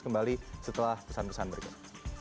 kembali setelah pesan pesan berikut